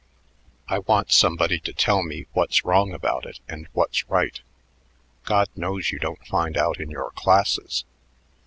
I want somebody to tell me what's wrong about it and what's right. God knows you don't find out in your classes.